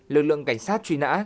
lực lượng cảnh sát truy nã